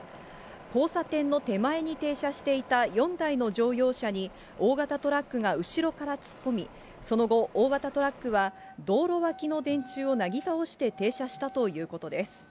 交差点の手前に停車していた４台の乗用車に、大型トラックが後ろから突っ込み、その後、大型トラックは、道路脇の電柱をなぎ倒して停車したということです。